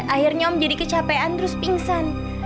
akhirnya om jadi kecapean terus pingsan